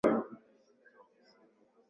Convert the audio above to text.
wa Ulaya Kumekuwa na hisia za furaha